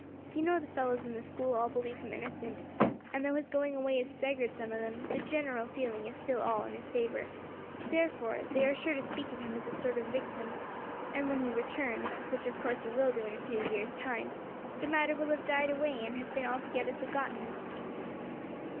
You know the fellows in the school all believe him innocent, and though his going away has staggered some of them, the general feeling is still all in his favour; therefore they are sure to speak of him as a sort of victim, and when he returns, which of course he will do in a few years' time, the matter will have died away and have been altogether forgotten."